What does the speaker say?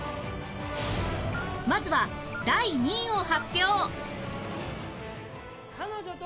まずは第２位を発表